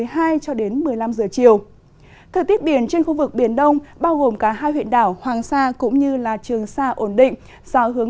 hãy đăng ký kênh để ủng hộ kênh của chúng mình nhé